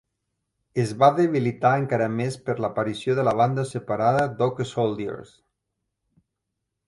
Es va debilitar encara més per l'aparició de la banda separada Dog Soldiers.